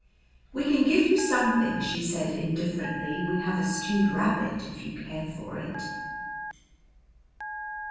"We can give you something," she said indifferently. "We have a stewed rabbit, if you care for it."